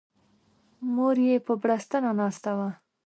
مور یې په بړستنه ناسته وه.